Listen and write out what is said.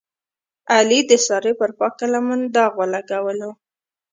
علي د سارې پر پاکه لمنه داغ ولګولو.